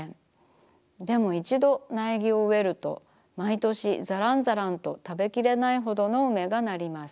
でもいちど苗木を植えるとまいとしざらんざらんとたべきれないほどの梅がなります。